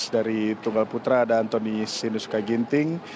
dari tunggal putra ada antoni sinusuka ginting